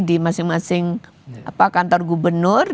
di masing masing kantor gubernur